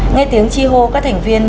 nghe tiếng chi hô các thành viên